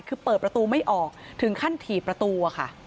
คือเปิดประตูไม่ออกถึงขั้นถีบประตูอะค่ะ